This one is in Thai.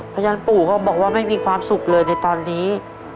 เพราะฉะนั้นปูก็บอกว่าไม่มีความสุขเลยในตอนนี้